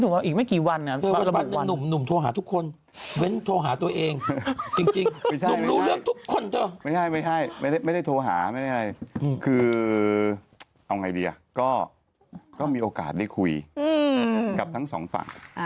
อ้าวไม่จำแล้วมันก็เป๊ะเกือบไปที่หนุ่มเคยอีกไม่กี่วันอ่ะ